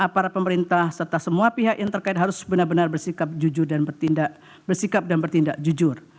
para pemerintah serta semua pihak yang terkait harus benar benar bersikap jujur dan bersikap dan bertindak jujur